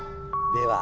では